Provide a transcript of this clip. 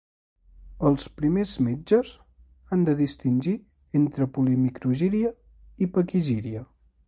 Els primers metges han de distingir entre polimicrogíria i paquigíria.